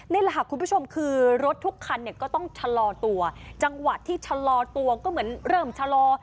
นี่แหละค่ะคุณผู้ชมคือรถทุกคันเนี่ยก็ต้องชะลอตัวจังหวะที่ชะลอตัวก็เหมือนเริ่มชะลอ